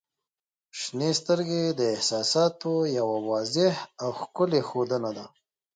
• شنې سترګې د احساساتو یوه واضح او ښکلی ښودنه ده.